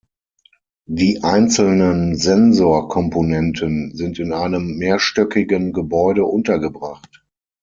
Die einzelnen Sensor-Komponenten sind in einem mehrstöckigen Gebäude untergebracht.